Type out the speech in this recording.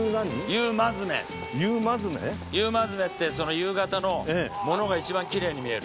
夕まずめって夕方のものが一番きれいに見える。